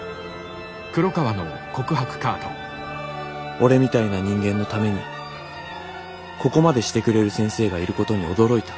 「俺みたいな人間のためにここまでしてくれる先生がいることに驚いた。